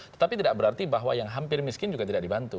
tetapi tidak berarti bahwa yang hampir miskin juga tidak dibantu